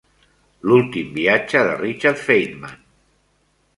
L'últim viatge de Richard Feynman.